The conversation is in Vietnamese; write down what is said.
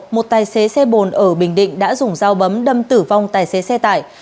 một tài xế xe bồn ở bình định đã dùng dao bấm đâm tử vong tài xế xe tải